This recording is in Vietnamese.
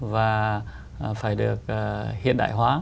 và phải được hiện đại hóa